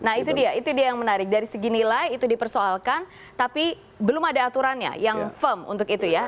nah itu dia itu dia yang menarik dari segi nilai itu dipersoalkan tapi belum ada aturannya yang firm untuk itu ya